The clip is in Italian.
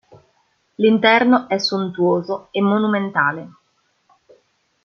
L'interno è sontuoso e monumentale.